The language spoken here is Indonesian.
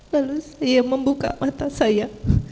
lalu dia membuka mata saya